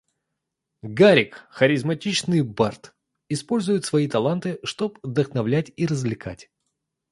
Гаррик, харизматичный бард, использует свои таланты, чтобы вдохновлять и развлекать.